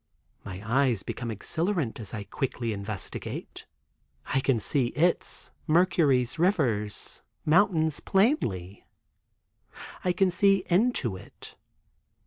My eyes become exhilarant as I quickly investigate. I can see its (Mercury's) rivers, mountains plainly. I can see into it.